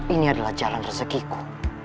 ini adalah jalan rezekiku